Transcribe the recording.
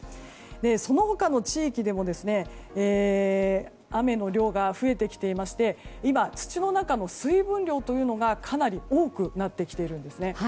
その他の地域でも雨の量が増えてきていまして今、土の中の水分量がかなり多くなってきているんですね。